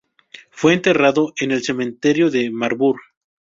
Fue enterrado en el cementerio de Marburg.